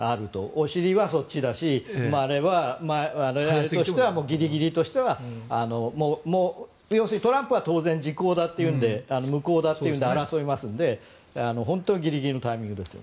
お尻はそっちだしギリギリとしてはもう要するにトランプは時効だというので無効だって言うので争いますので本当にギリギリのタイミングですよ。